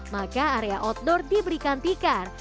maka area outdoor diberikan tikar